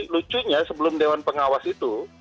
lucunya sebelum dewan pengawas itu